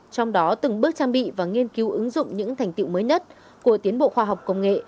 trong đó từng bước trang bị và nghiên cứu ứng dụng những thành tiệu mới nhất của tiến bộ khoa học công nghệ